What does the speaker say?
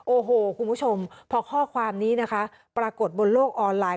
โอ้โหคุณผู้ชมพอข้อความนี้นะคะปรากฏบนโลกออนไลน์